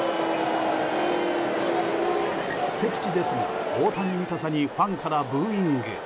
敵地ですが、大谷見たさにファンからブーイング。